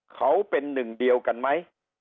เขาเป็นหนึ่งเดียวกันไหม